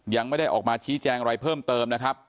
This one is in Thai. ยังไม่ได้ออกมาชี้แจงอะไรเพิ่มเติมนะครับ